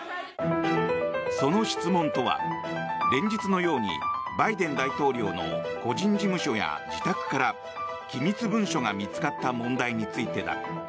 その質問とは、連日のようにバイデン大統領の個人事務所や自宅から機密文書が見つかった問題についてだ。